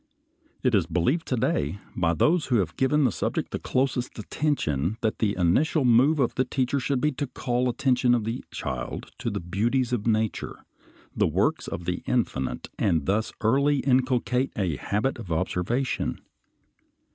It is believed to day by those who have given the subject the closest attention that the initial move of the teacher should be to call the attention of the child to the beauties of nature, the works of the Infinite, and thus early inculcate a habit of observation.